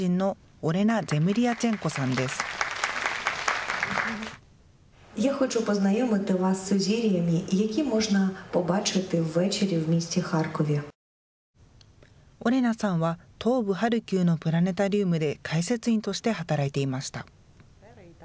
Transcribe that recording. オレナさんは東部ハルキウのプラネタリウムで解説員として働いていました。